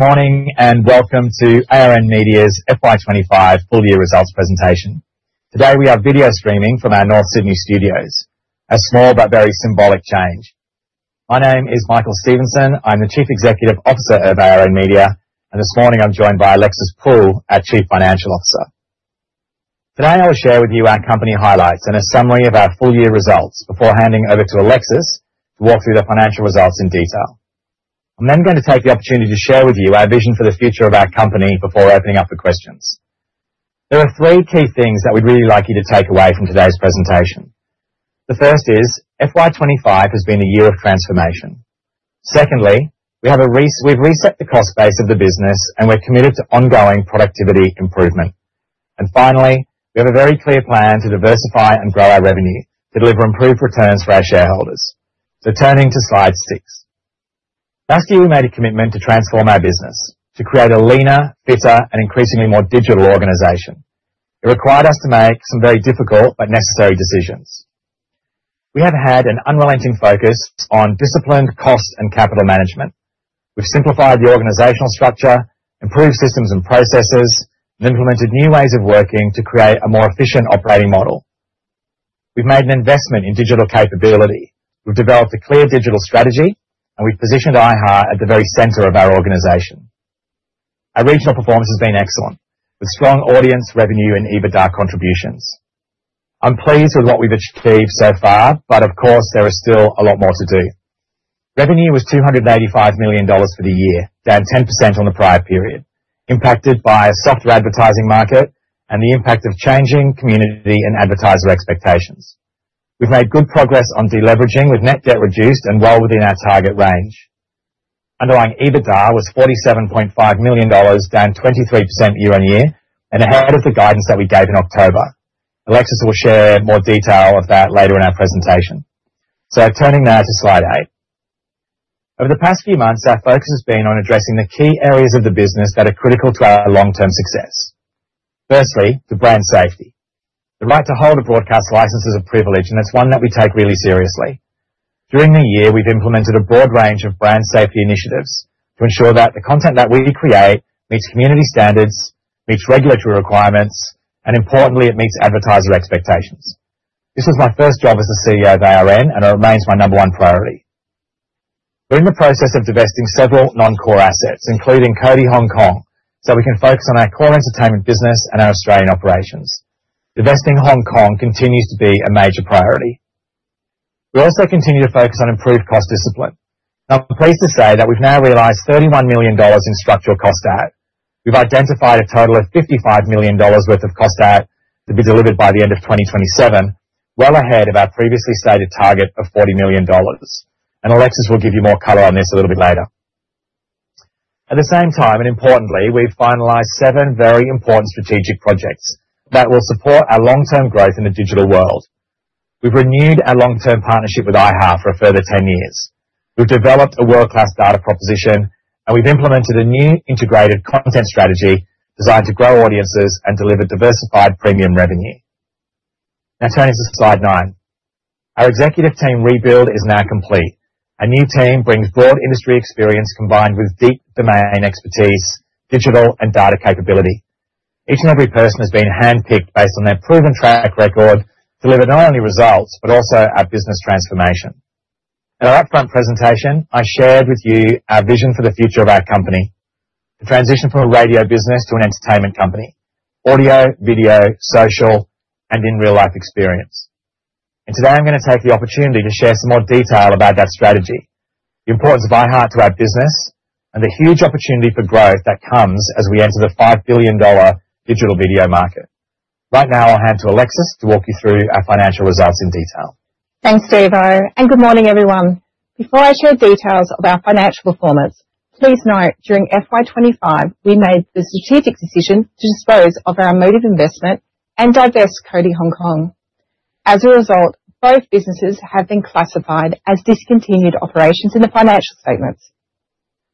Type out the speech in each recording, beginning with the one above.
Good morning, welcome to ARN Media's FY25 Full-Year Results Presentation. Today, we are video streaming from our North Sydney studios, a small but very symbolic change. My name is Michael Stephenson, I'm the Chief Executive Officer of ARN Media, and this morning I'm joined by Alexis Poole, our Chief Financial Officer. Today, I will share with you our company highlights and a summary of our full year results before handing over to Alexis to walk through the financial results in detail. I'm then going to take the opportunity to share with you our vision for the future of our company before opening up for questions. There are three key things that we'd really like you to take away from today's presentation. The first is, FY25 has been a year of transformation. Secondly, we've reset the cost base of the business, and we're committed to ongoing productivity improvement. Finally, we have a very clear plan to diversify and grow our revenue to deliver improved returns for our shareholders. Turning to slide 6. Last year, we made a commitment to transform our business, to create a leaner, fitter, and increasingly more digital organization. It required us to make some very difficult but necessary decisions. We have had an unrelenting focus on disciplined cost and capital management. We've simplified the organizational structure, improved systems and processes, and implemented new ways of working to create a more efficient operating model. We've made an investment in digital capability. We've developed a clear digital strategy, and we've positioned iHeart at the very center of our organization. Our regional performance has been excellent, with strong audience revenue and EBITDA contributions. I'm pleased with what we've achieved so far. Of course, there is still a lot more to do. Revenue was 285 million dollars for the year, down 10% on the prior period, impacted by a softer advertising market and the impact of changing community and advertiser expectations. We've made good progress on deleveraging, with net debt reduced and well within our target range. Underlying EBITDA was 47.5 million dollars, down 23% year-on-year, and ahead of the guidance that we gave in October. Alexis will share more detail of that later in our presentation. Turning now to slide 8. Over the past few months, our focus has been on addressing the key areas of the business that are critical to our long-term success. Firstly, the brand safety. The right to hold a broadcast license is a privilege, and it's one that we take really seriously. During the year, we've implemented a broad range of brand safety initiatives to ensure that the content that we create meets community standards, meets regulatory requirements, and importantly, it meets advertiser expectations. This was my first job as the CEO of ARN, and it remains my number one priority. We're in the process of divesting several non-core assets, including Cody Hong Kong, so we can focus on our core entertainment business and our Australian operations. Divesting Hong Kong continues to be a major priority. We also continue to focus on improved cost discipline. I'm pleased to say that we've now realized AUD 31 million in structural cost out. We've identified a total of AUD 55 million worth of cost out to be delivered by the end of 2027, well ahead of our previously stated target of AUD 40 million. Alexis will give you more color on this a little bit later. At the same time, and importantly, we've finalized seven very important strategic projects that will support our long-term growth in the digital world. We've renewed our long-term partnership with iHeart for a further 10 years. We've developed a world-class data proposition, and we've implemented a new integrated content strategy designed to grow audiences and deliver diversified premium revenue. Turning to slide 9. Our executive team rebuild is now complete. Our new team brings broad industry experience, combined with deep domain expertise, digital and data capability. Each and every person has been handpicked based on their proven track record, to deliver not only results, but also our business transformation. At our upfront presentation, I shared with you our vision for the future of our company: to transition from a radio business to an entertainment company. Audio, video, social, and in-real-life experience. Today, I'm going to take the opportunity to share some more detail about that strategy, the importance of iHeart to our business, and the huge opportunity for growth that comes as we enter the 5 billion dollar digital video market. Right now, I'll hand to Alexis to walk you through our financial results in detail. Thanks, Stephenson. Good morning, everyone. Before I share details of our financial performance, please note, during FY25, we made the strategic decision to dispose of our Motive investment and divest Cody Hong Kong. As a result, both businesses have been classified as discontinued operations in the financial statements.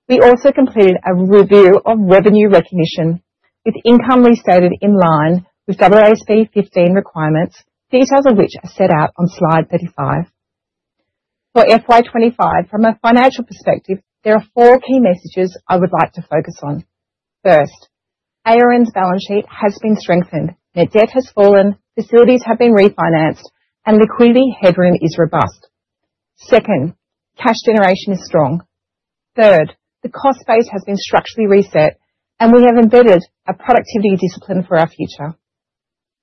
We also completed a review of revenue recognition, with income restated in line with AASB 15 requirements, details of which are set out on slide 35. For FY25, from a financial perspective, there are four key messages I would like to focus on. First, ARN's balance sheet has been strengthened. Net debt has fallen, facilities have been refinanced, and liquidity headroom is robust. Second, cash generation is strong. Third, the cost base has been structurally reset, and we have embedded a productivity discipline for our future.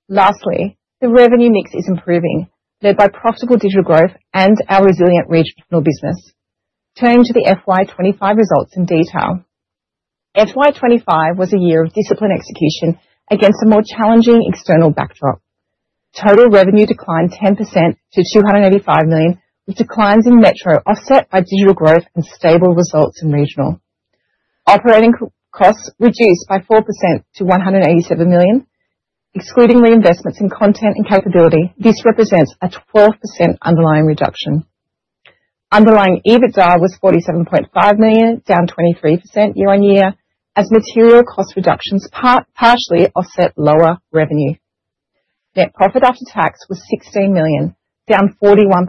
Lastly, the revenue mix is improving, led by profitable digital growth and our resilient regional business. Turning to the FY25 results in detail. FY25 was a year of disciplined execution against a more challenging external backdrop. Total revenue declined 10% to 285 million, with declines in metro offset by digital growth and stable results in regional. Operating costs reduced by 4% to 187 million. Excluding reinvestments in content and capability, this represents a 12% underlying reduction. Underlying EBITDA was 47.5 million, down 23% year-on-year, as material cost reductions partially offset lower revenue. Net profit after tax was 16 million, down 41%,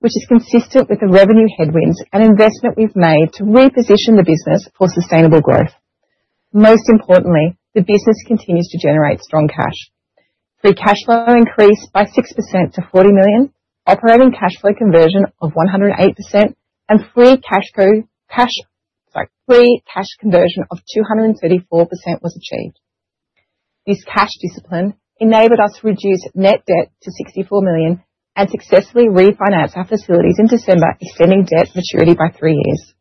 which is consistent with the revenue headwinds and investment we've made to reposition the business for sustainable growth. Most importantly, the business continues to generate strong cash. Free cash flow increased by 6% to 40 million, operating cash flow conversion of 108%, Free cash conversion of 234% was achieved. This cash discipline enabled us to reduce net debt to 64 million and successfully refinance our facilities in December, extending debt maturity by three years.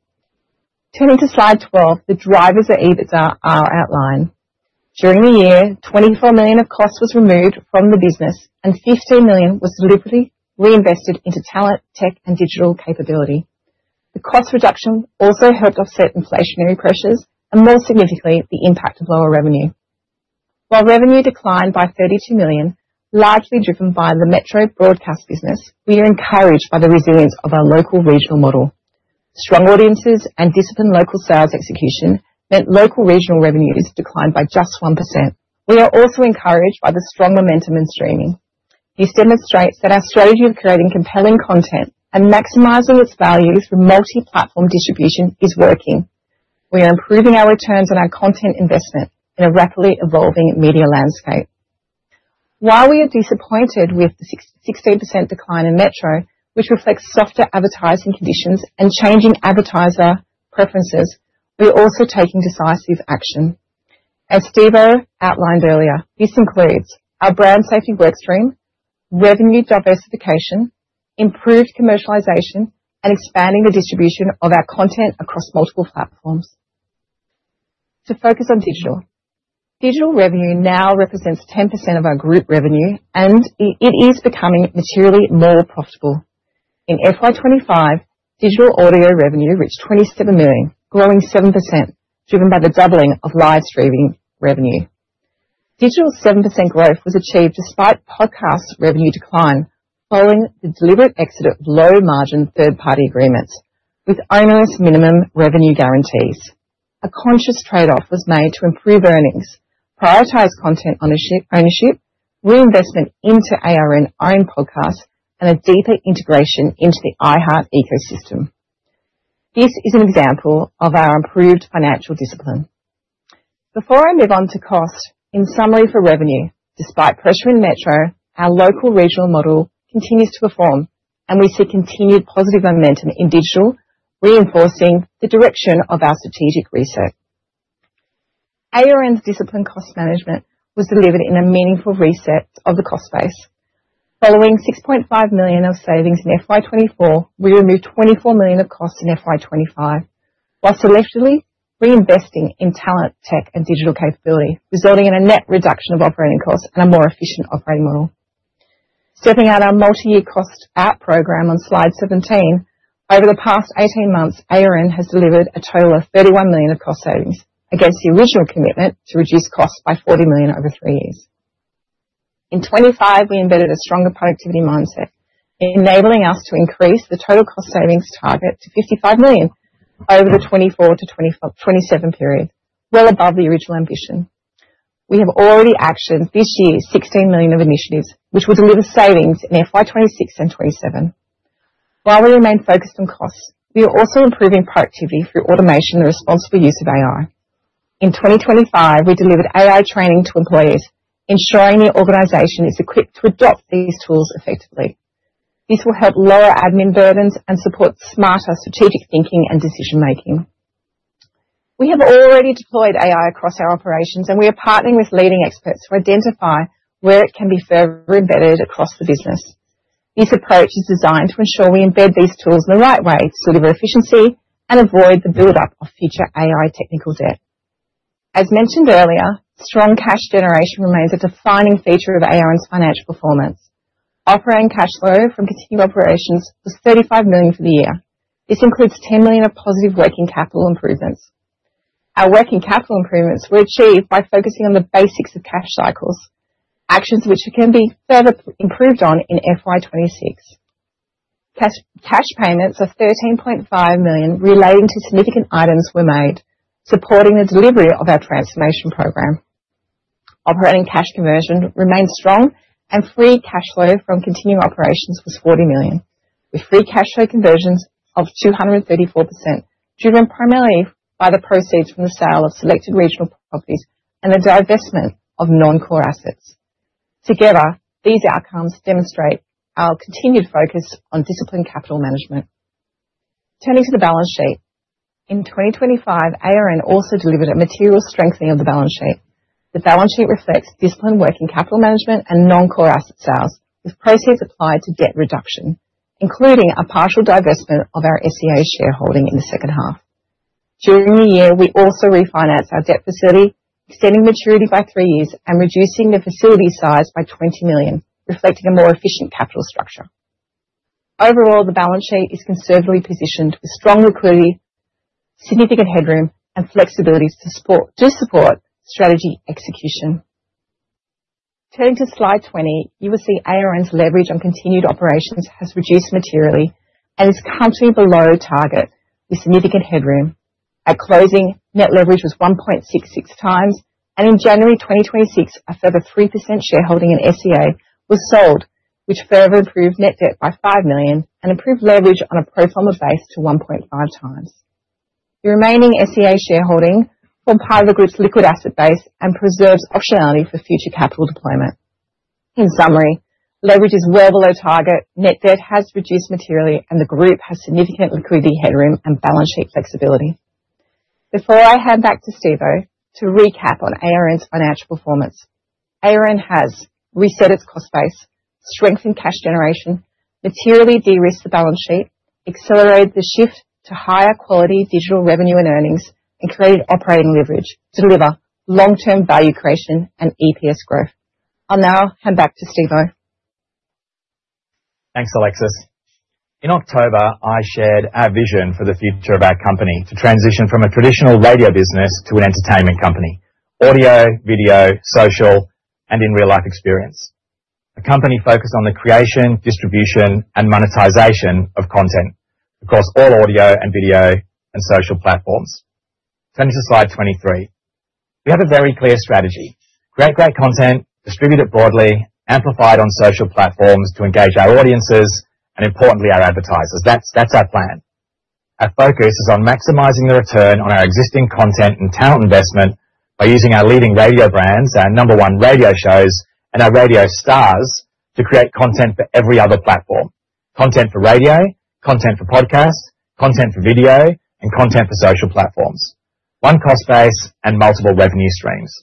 Turning to slide 12, the drivers of EBITDA are outlined. During the year, 24 million of costs was removed from the business and 15 million was deliberately reinvested into talent, tech, and digital capability. The cost reduction also helped offset inflationary pressures and, more significantly, the impact of lower revenue. While revenue declined by 32 million, largely driven by the metro broadcast business, we are encouraged by the resilience of our local regional model. Strong audiences and disciplined local sales execution meant local regional revenues declined by just 1%. We are also encouraged by the strong momentum in streaming. This demonstrates that our strategy of creating compelling content and maximizing its value through multi-platform distribution is working. We are improving our returns on our content investment in a rapidly evolving media landscape. While we are disappointed with the 16% decline in metro, which reflects softer advertising conditions and changing advertiser preferences, we are also taking decisive action. As Steve outlined earlier, this includes: our brand safety work stream, revenue diversification, improved commercialization, and expanding the distribution of our content across multiple platforms. To focus on digital. Digital revenue now represents 10% of our group revenue, and it is becoming materially more profitable. In FY25, digital audio revenue reached 27 million, growing 7%, driven by the doubling of live streaming revenue. Digital's 7% growth was achieved despite podcast revenue decline, following the deliberate exit of low-margin third-party agreements with owner minimum revenue guarantees. A conscious trade-off was made to improve earnings, prioritize content ownership, reinvest in ARN-owned podcasts, and deepen integration into the iHeart ecosystem. This is an example of our improved financial discipline. Before I move on to cost, in summary, for revenue, despite pressure in metro, our local regional model continues to perform, and we see continued positive momentum in digital, reinforcing the direction of our strategic reset. ARN's disciplined cost management was delivered in a meaningful reset of the cost base. Following 6.5 million of savings in FY24, we removed 24 million of costs in FY25, while selectively reinvesting in talent, tech, and digital capability, resulting in a net reduction of operating costs and a more efficient operating model. Stepping out our multi-year cost app program on slide 17. Over the past 18 months, ARN has delivered a total of 31 million of cost savings against the original commitment to reduce costs by 40 million over three years. In 2025, we embedded a stronger productivity mindset, enabling us to increase the total cost savings target to 55 million over the 2024-2027 period, well above the original ambition. We have already actioned this year's 16 million of initiatives, which will deliver savings in FY26 and FY27. While we remain focused on costs, we are also improving productivity through automation and responsible use of AI. In 2025, we delivered AI training to employees, ensuring the organization is equipped to adopt these tools effectively. This will help lower admin burdens and support smarter strategic thinking and decision-making. We have already deployed AI across our operations, and we are partnering with leading experts to identify where it can be further embedded across the business. This approach is designed to ensure we embed these tools in the right way to deliver efficiency and avoid the buildup of future AI technical debt. As mentioned earlier, strong cash generation remains a defining feature of ARN's financial performance. Operating cash flow from continued operations was 35 million for the year. This includes 10 million of positive working capital improvements. Our working capital improvements were achieved by focusing on the basics of cash cycles, actions which can be further improved on in FY26. Cash payments of $13.5 million relating to significant items were made, supporting the delivery of our transformation program. Operating cash conversion remains strong, and free cash flow from continuing operations was $40 million, with free cash flow conversions of 234%, driven primarily by the proceeds from the sale of selected regional properties and the divestment of non-core assets. Together, these outcomes demonstrate our continued focus on disciplined capital management. Turning to the balance sheet. In 2025, ARN also delivered a material strengthening of the balance sheet. The balance sheet reflects disciplined working capital management and non-core asset sales, with proceeds applied to debt reduction, including a partial divestment of our SCA shareholding in the H2. During the year, we also refinanced our debt facility, extending maturity by three years and reducing the facility size by 20 million, reflecting a more efficient capital structure. Overall, the balance sheet is conservatively positioned with strong liquidity, significant headroom, and flexibilities to support strategy execution. Turning to slide 20, you will see ARN's leverage on continued operations has reduced materially and is currently below target, with significant headroom. At closing, net leverage was 1.66x, and in January 2026, a further 3% shareholding in SCA was sold, which further improved net debt by 5 million, and improved leverage on a pro forma base to 1.5x. The remaining SCA shareholding formed part of the group's liquid asset base and preserves optionality for future capital deployment. In summary, leverage is well below target, net debt has reduced materially, and the group has significant liquidity headroom and balance sheet flexibility. Before I hand back to Stephenson, to recap on ARN's financial performance: ARN has reset its cost base, strengthened cash generation, materially de-risked the balance sheet, accelerated the shift to higher quality digital revenue and earnings, and created operating leverage to deliver long-term value creation and EPS growth. I'll now hand back to Stephenson. Thanks, Alexis. In October, I shared our vision for the future of our company to transition from a traditional radio business to an entertainment company. Audio, video, social, and in-real-life experience. A company focused on the creation, distribution, and monetization of content across all audio and video and social platforms. Turning to slide 23. We have a very clear strategy: create great content, distribute it broadly, amplify it on social platforms to engage our audiences, and importantly, our advertisers. That's our plan. Our focus is on maximizing the return on our existing content and talent investment by using our leading radio brands, our number 1 radio shows, and our radio stars to create content for every other platform. Content for radio, content for podcasts, content for video, and content for social platforms. One cost base and multiple revenue streams.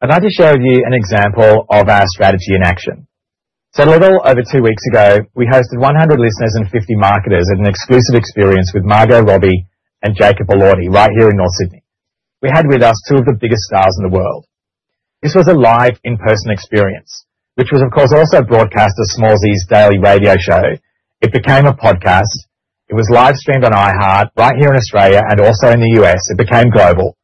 I'd like to share with you an example of our strategy in action. A little over two weeks ago, we hosted 100 listeners and 50 marketers at an exclusive experience with Margot Robbie and Jacob Elordi, right here in North Sydney. We had with us two of the biggest stars in the world. This was a live, in-person experience, which was, of course, also broadcast as Smallzy's daily radio show. It became a podcast. It was live-streamed on iHeart, right here in Australia, and also in the U.S. It became global.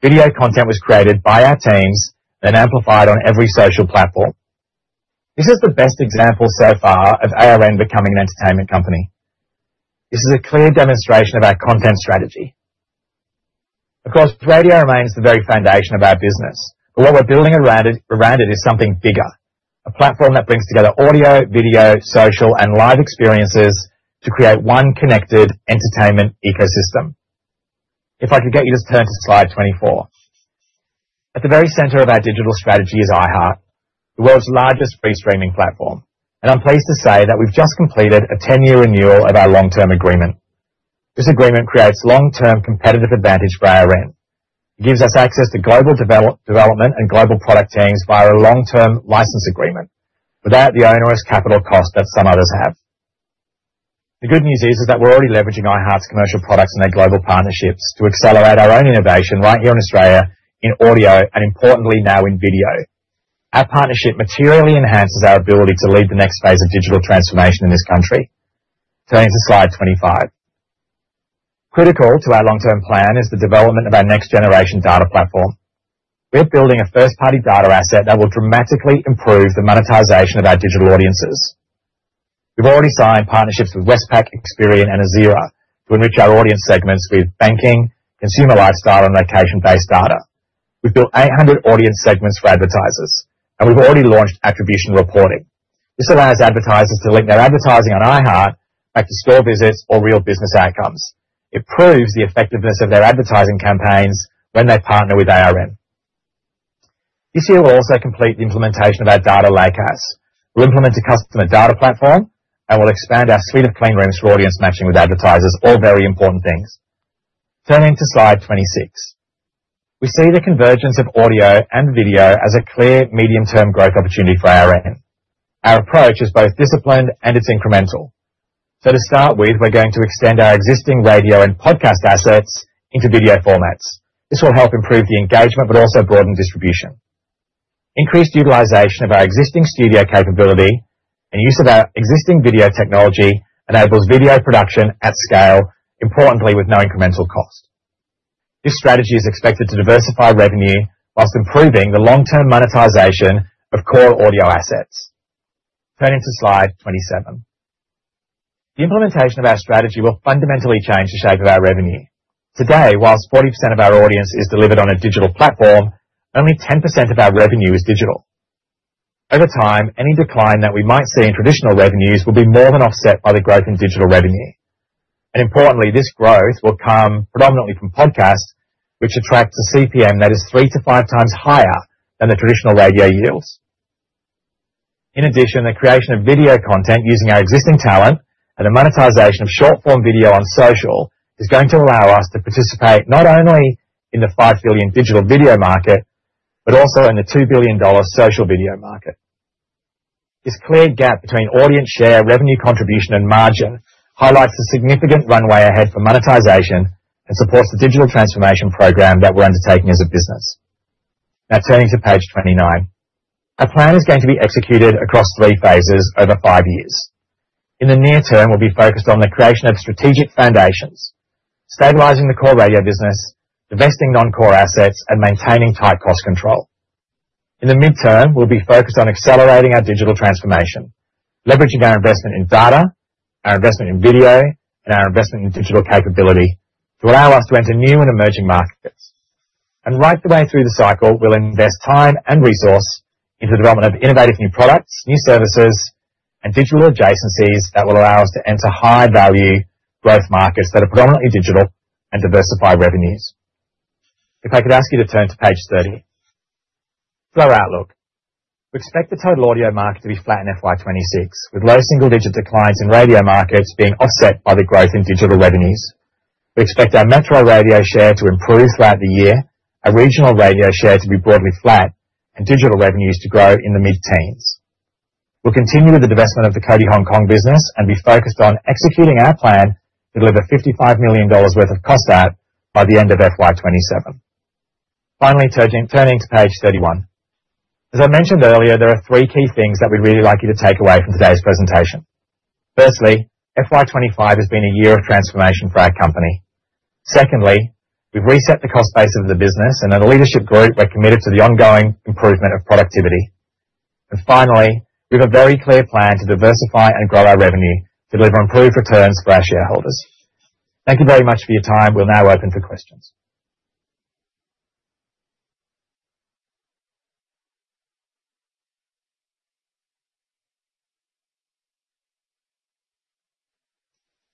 Video content was created by our teams, then amplified on every social platform. This is the best example so far of ARN becoming an entertainment company. This is a clear demonstration of our content strategy. Radio remains the very foundation of our business, what we're building around it is something bigger: a platform that brings together audio, video, social, and live experiences to create one connected entertainment ecosystem. If I could get you just turn to slide 24. At the very center of our digital strategy is iHeart, the world's largest free streaming platform. I'm pleased to say that we've just completed a 10-year renewal of our long-term agreement. This agreement creates long-term competitive advantage for ARN. It gives us access to global development and global product teams via a long-term license agreement, without the onerous capital cost that some others have. The good news is that we're already leveraging iHeart's commercial products and their global partnerships to accelerate our own innovation right here in Australia, in audio, and importantly, now in video. Our partnership materially enhances our ability to lead the next phase of digital transformation in this country. Turning to slide 25. Critical to our long-term plan is the development of our next-generation data platform. We are building a first-party data asset that will dramatically improve the monetization of our digital audiences. We've already signed partnerships with Westpac, Experian, and Azira to enrich our audience segments with banking, consumer lifestyle, and location-based data. We've built 800 audience segments for advertisers, and we've already launched attribution reporting. This allows advertisers to link their advertising on iHeart back to store visits or real business outcomes. It proves the effectiveness of their advertising campaigns when they partner with ARN. This year, we'll also complete the implementation of our data lakehouse. We'll implement a customer data platform, and we'll expand our suite of clean rooms for audience matching with advertisers. All very important things. Turning to slide 26. We see the convergence of audio and video as a clear medium-term growth opportunity for ARN. Our approach is both disciplined and it's incremental. To start with, we're going to extend our existing radio and podcast assets into video formats. This will help improve the engagement, but also broaden distribution. Increased utilization of our existing studio capability and use of our existing video technology enables video production at scale, importantly, with no incremental cost. This strategy is expected to diversify revenue whilst improving the long-term monetization of core audio assets. Turning to slide 27. The implementation of our strategy will fundamentally change the shape of our revenue. Today, whilst 40% of our audience is delivered on a digital platform, only 10% of our revenue is digital. Over time, any decline that we might see in traditional revenues will be more than offset by the growth in digital revenue. Importantly, this growth will come predominantly from podcasts, which attracts a CPM that is 3.0x to 5.0x higher than the traditional radio yields. In addition, the creation of video content using our existing talent and the monetization of short-form video on social, is going to allow us to participate not only in the 5 billion digital video market, but also in the 2 billion dollar social video market. This clear gap between audience share, revenue contribution, and margin, highlights the significant runway ahead for monetization, and supports the digital transformation program that we're undertaking as a business. Turning to page 29. Our plan is going to be executed across three phases over five years. In the near term, we'll be focused on the creation of strategic foundations, stabilizing the core radio business, divesting non-core assets, and maintaining tight cost control. In the midterm, we'll be focused on accelerating our digital transformation, leveraging our investment in data, our investment in video, and our investment in digital capability to allow us to enter new and emerging markets. Right the way through the cycle, we'll invest time and resource into the development of innovative new products, new services, and digital adjacencies that will allow us to enter high-value growth markets that are predominantly digital and diversify revenues. If I could ask you to turn to page 30. Our outlook. We expect the total audio market to be flat in FY26, with low single-digit declines in radio markets being offset by the growth in digital revenues. We expect our metro radio share to improve throughout the year, our regional radio share to be broadly flat, and digital revenues to grow in the mid-teens. We'll continue with the divestment of the Cody Hong Kong business and be focused on executing our plan to deliver 55 million dollars worth of cost out by the end of FY27. turning to page 31. As I mentioned earlier, there are three key things that we'd really like you to take away from today's presentation. FY25 has been a year of transformation for our company. we've reset the cost base of the business, and as a leadership group, we're committed to the ongoing improvement of productivity. finally, we have a very clear plan to diversify and grow our revenue to deliver improved returns for our shareholders. Thank you very much for your time. We'll now open for questions.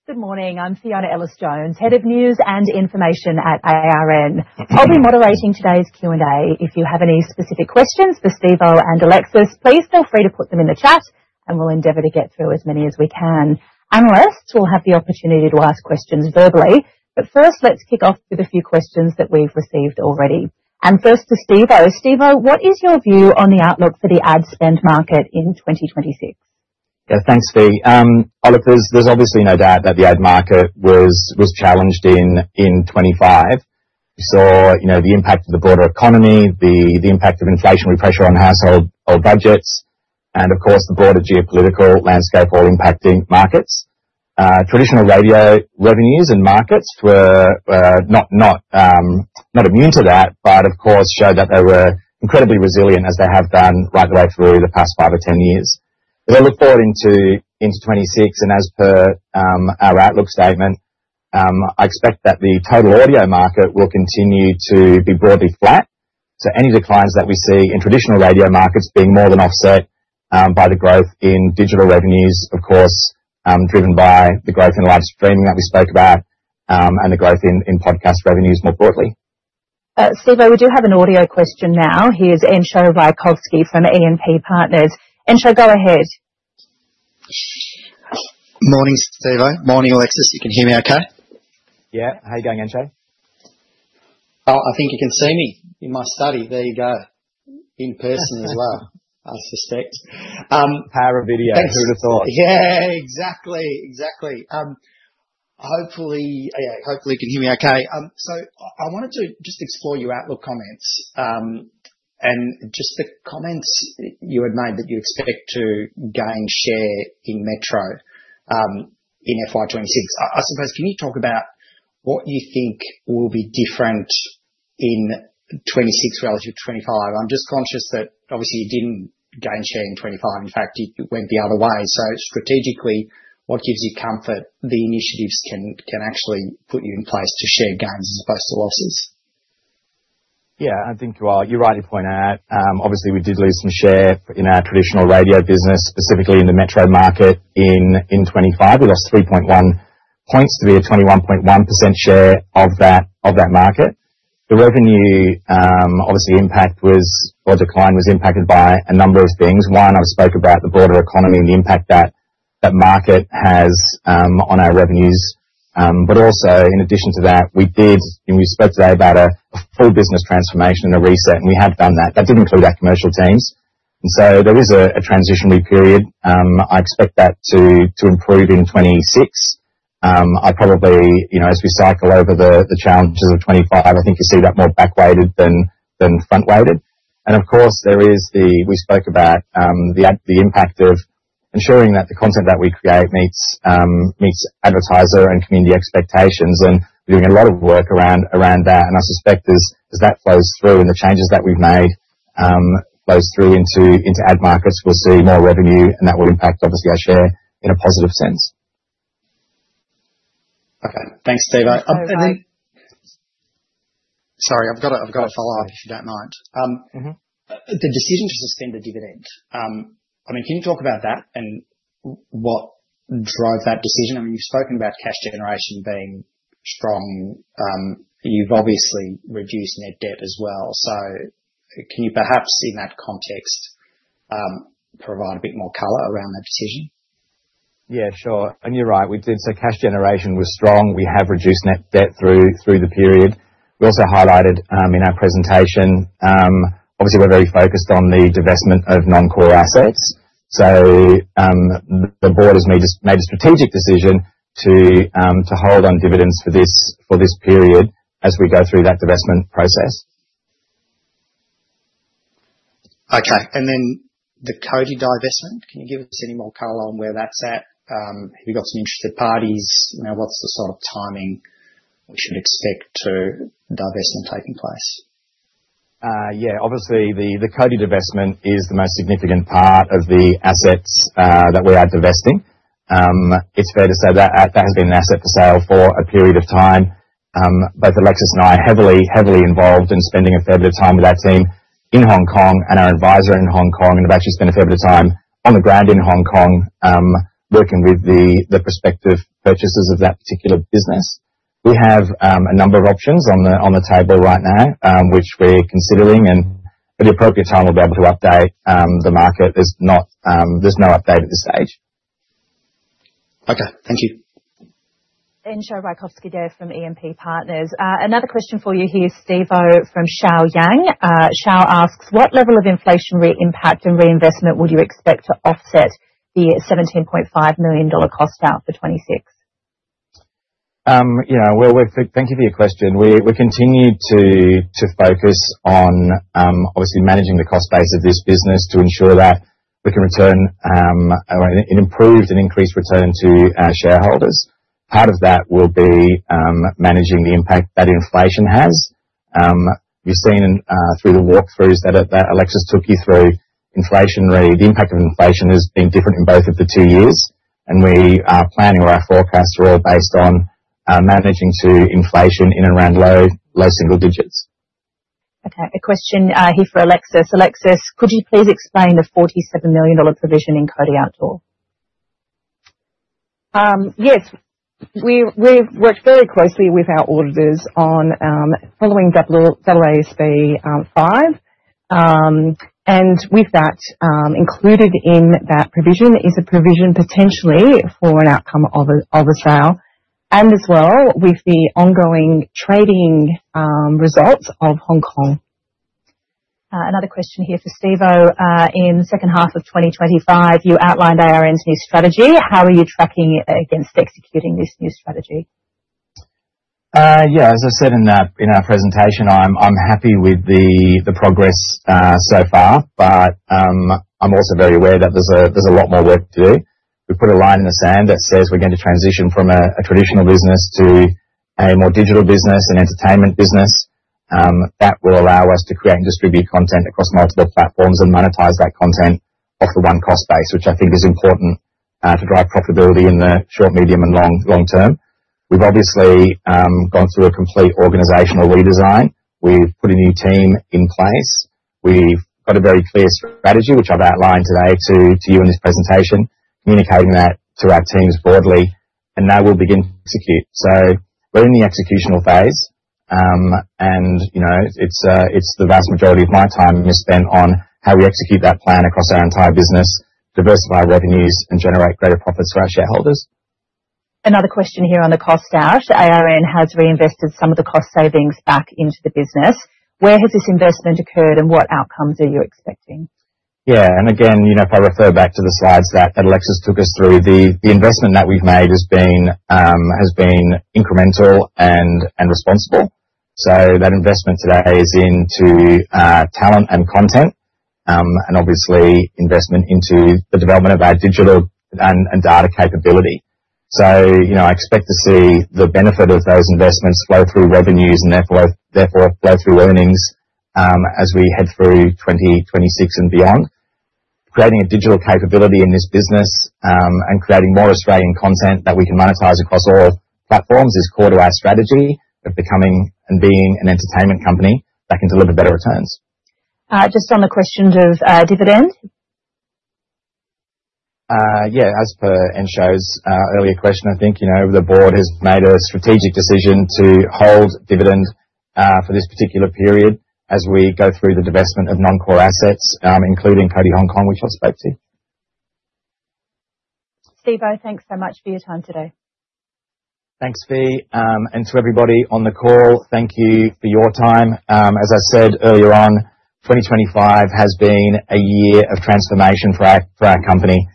Good morning. I'm Fiona Ellis-Jones, Head of News and Information at ARN. Okay. I'll be moderating today's Q&A. If you have any specific questions for Stephenson and Alexis, please feel free to put them in the chat, and we'll endeavor to get through as many as we can. Analysts will have the opportunity to ask questions verbally, but first, let's kick off with a few questions that we've received already. First, to Stephenson. Stephenson, what is your view on the outlook for the ad spend market in 2026? Yeah, thanks, Fi. look, there's obviously no doubt that the ad market was challenged in FY25. you know, the impact of the broader economy, the impact of inflationary pressure on household budgets, and of course, the broader geopolitical landscape all impacting markets. Traditional radio revenues and markets were not immune to that, but of course, showed that they were incredibly resilient, as they have done right the way through the past five or 10 years. As I look forward into FY26, and as per our outlook statement, I expect that the total audio market will continue to be broadly flat. Any declines that we see in traditional radio markets being more than offset, by the growth in digital revenues, of course, driven by the growth in live streaming that we spoke about, and the growth in podcast revenues more broadly. Stephenson, we do have an audio question now. Here's Encho Raykovski from E&P Financial Group. Enscho, go ahead. Morning, Steveo. Morning, Alexis. You can hear me okay? Yeah. How you going, Encho? Oh, I think you can see me in my study. There you go. In person as well, I suspect. Power of video. Thanks- Who would have thought? Exactly, exactly. Hopefully you can hear me okay. I wanted to just explore your outlook comments, and just the comments you had made that you expect to gain share in metro, in FY26. I suppose, can you talk about what you think will be different in FY26 relative to FY25? I'm just conscious that obviously you didn't gain share in FY25. In fact, it went the other way. Strategically, what gives you comfort the initiatives can actually put you in place to share gains as opposed to losses? Yeah, I think you're right to point out, obviously we did lose some share in our traditional radio business, specifically in the metro market in 2025. We lost 3.1 points to be at 21.1% share of that market. The revenue, obviously the impact or decline was impacted by a number of things. One, I spoke about the broader economy and the impact that market has on our revenues. Also, in addition to that, we did. We spoke today about a full business transformation and a reset, and we have done that. That did include our commercial teams. There is a transitionary period. I expect that to improve in 2026. I probably, you know, as we cycle over the challenges of FY25, I think you see that more back-weighted than front-weighted. Of course, there is we spoke about the impact of ensuring that the content that we create meets advertiser and community expectations, and we're doing a lot of work around that. I suspect as that flows through and the changes that we've made, flows through into ad markets, we'll see more revenue, and that will impact, obviously, our share in a positive sense. Okay. Thanks, Stephenson. No problem. Sorry, I've got a, I've got a follow-up, if you don't mind. Mm-hmm. The decision to suspend the dividend, I mean, can you talk about that and what drove that decision? I mean, you've spoken about cash generation being strong. You've obviously reduced net debt as well. Can you perhaps, in that context, provide a bit more color around that decision? Yeah, sure. You're right, we did so cash generation was strong. We have reduced net debt through the period. We also highlighted in our presentation, obviously, we're very focused on the divestment of non-core assets. The board has made a strategic decision to hold on dividends for this period as we go through that divestment process. Okay. The Cody divestment, can you give us any more color on where that's at? Have you got some interested parties? You know, what's the sort of timing we should expect to divestment taking place? Yeah. Obviously, the Cody divestment is the most significant part of the assets that we are divesting. It's fair to say that that has been an asset for sale for a period of time. Both Alexis and I are heavily involved in spending a fair bit of time with our team in Hong Kong, and our advisor in Hong Kong, and have actually spent a fair bit of time on the ground in Hong Kong, working with the prospective purchasers of that particular business. We have a number of options on the table right now, which we're considering, and at the appropriate time, we'll be able to update the market. There's not, there's no update at this stage. Okay. Thank you. Encho Raykovski there from E&P Financial Group. Another question for you here, Steve, from Xiao Yang. Xiao asks: What level of inflationary impact and reinvestment would you expect to offset the 17.5 million dollar cost out for FY26? You know, well, thank you for your question. We continue to focus on obviously managing the cost base of this business, to ensure that we can return an improved and increased return to our shareholders. Part of that will be managing the impact that inflation has. We've seen through the walkthroughs that Alexis took you through, the impact of inflation has been different in both of the two years, and we are planning our forecast role based on managing to inflation in and around low single digits. Okay. A question here for Alexis. Alexis, could you please explain the AUD 47 million provision in Cody Outdoor? Yes. We've worked very closely with our auditors on, following AASB 5. With that, included in that provision, is a provision potentially for an outcome of a sale, and as well, with the ongoing trading, results of Hong Kong. Another question here for Stephenson. In the H2 of 2025, you outlined ARN's new strategy. How are you tracking it against executing this new strategy? Yeah, as I said in our presentation, I'm happy with the progress so far. I'm also very aware that there's a lot more work to do. We've put a line in the sand that says we're going to transition from a traditional business to a more digital business and entertainment business. That will allow us to create and distribute content across multiple platforms, and monetize that content off the one cost base, which I think is important to drive profitability in the short, medium, and long term. We've obviously gone through a complete organizational redesign. We've put a new team in place. We've got a very clear strategy, which I've outlined today to you in this presentation, communicating that to our teams broadly, now we'll begin to execute. We're in the executional phase. You know, it's the vast majority of my time is spent on how we execute that plan across our entire business, diversify revenues, and generate greater profits for our shareholders. Another question here on the cost out. ARN has reinvested some of the cost savings back into the business. Where has this investment occurred, and what outcomes are you expecting? Again, you know, if I refer back to the slides that Alexis took us through, the investment that we've made has been incremental and responsible. That investment today is into talent and content, and obviously investment into the development of our digital and data capability. You know, I expect to see the benefit of those investments flow through revenues, and therefore flow through earnings, as we head through 2026 and beyond. Creating a digital capability in this business, and creating more Australian content that we can monetize across all platforms, is core to our strategy of becoming and being an entertainment company that can deliver better returns. Just on the question of dividend. Yeah, as per Encho's earlier question, I think, you know, the board has made a strategic decision to hold dividend for this particular period as we go through the divestment of non-core assets, including Cody Hong Kong, which I spoke to. Steve, thanks so much for your time today. Thanks, Fi. To everybody on the call, thank you for your time. As I said earlier on, 2025 has been a year of transformation for our company.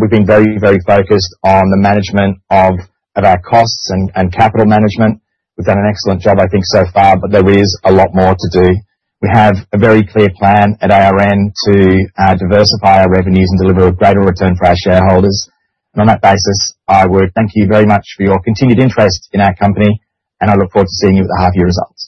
We've been very focused on the management of our costs and capital management. We've done an excellent job, I think, so far, there is a lot more to do. We have a very clear plan at ARN to diversify our revenues and deliver a greater return for our shareholders. On that basis, I would thank you very much for your continued interest in our company, and I look forward to seeing you with the half-year results.